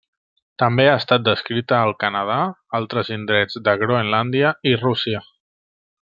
També ha estat descrita al Canadà, altres indrets de Groenlàndia i Rússia.